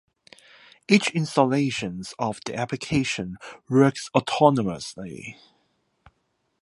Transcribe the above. Each installation of the application works autonomously.